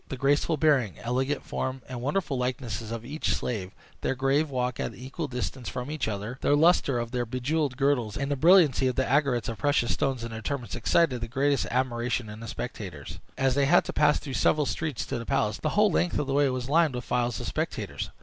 The graceful bearing, elegant form, and wonderful likeness of each slave; their grave walk at an equal distance from each other; the lustre of their jewelled girdles, and the brilliancy of the aigrettes of precious stones in their turbans, excited the greatest admiration in the spectators. As they had to pass through several streets to the palace, the whole length of the way was lined with files of spectators.